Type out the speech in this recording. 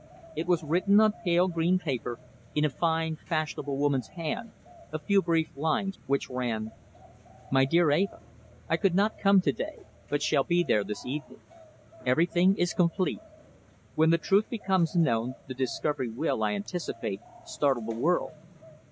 It was written on pale green paper in a fine fashionable woman's hand, a few brief lines, which ran: "My dear Eva, I could not come to day, but shall be there this evening. Everything is complete. When the truth becomes known the discovery will, I anticipate, startle the world.